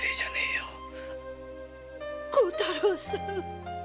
幸太郎さん